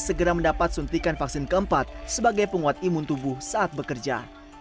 segera mendapat suntikan vaksin keempat sebagai penguat imun tubuh saat bekerja